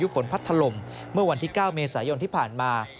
ฝนพัดถล่มเมื่อวันที่๙เมษายนที่ผ่านมา